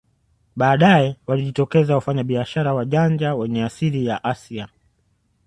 Baadae walijitokeza wafanyabiashara wajanja wenye asili ya Asia